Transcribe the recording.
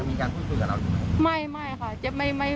ยังมีการคุยคุยกับเราอยู่ไหม